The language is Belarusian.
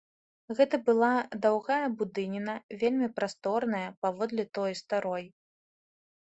Гэта была даўгая будыніна, вельмі прасторная, паводле той старой.